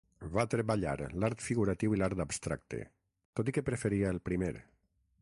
Va treballar l'art figuratiu i l'art abstracte, tot i que preferia el primer.